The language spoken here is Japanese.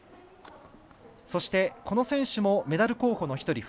そして、この選手もメダル候補の１人。